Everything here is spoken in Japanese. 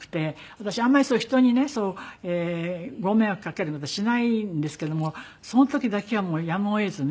私あんまりそういう人にねご迷惑かける事はしないんですけどもその時だけはもうやむを得ずね